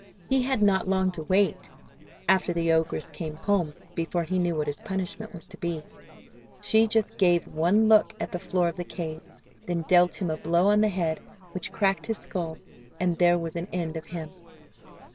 He had not long to wait, after the ogress came home, before he knew what his punishment was to be! She just gave one look at the floor of the cave, then dealt him a blow on the head which cracked his skull, and there was an end of him.